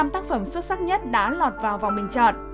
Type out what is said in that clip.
một mươi năm tác phẩm xuất sắc nhất đã lọt vào vòng bình chọn